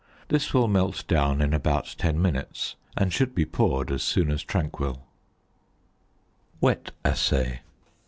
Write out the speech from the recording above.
This will melt down in about ten minutes, and should be poured as soon as tranquil. WET ASSAY.